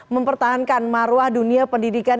mempertahankan marwah dunia pendidikan